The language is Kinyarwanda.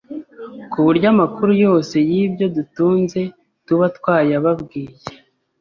ku buryo amakuru yose y’ibyo dutunze tuba twayababwiye.